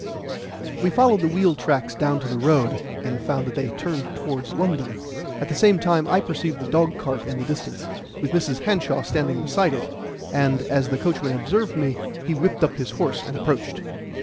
We followed the wheel tracks down to the road, and found that they turned towards London. At the same time I perceived the dogcart in the distance, with Mrs. Hanshaw standing beside it; and, as the coachman observed me, he whipped up his horse and approached.